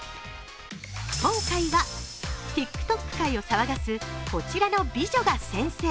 今回は、ＴｉｋＴｏｋ界を騒がすこちらの美女が先生。